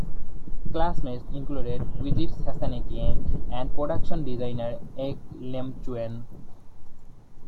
Classmates included Wisit Sasanatieng and production designer Ek Iemchuen.